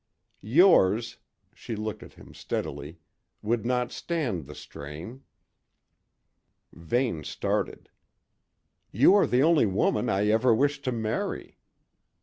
Yours" she looked at him steadily "would not stand the strain." Vane started. "You are the only woman I ever wished to marry."